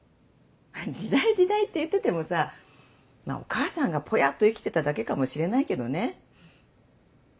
時代時代って言っててもさお母さんがポヤっと生きてただけかもしれないけどね。